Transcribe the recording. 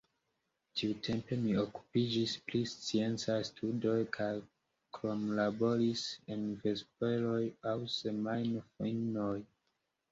Tiutempe mi okupiĝis pri sciencaj studoj kaj kromlaboris en vesperoj aŭ semajnfinoj.